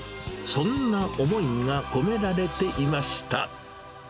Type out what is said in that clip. そんな思いが込められていました。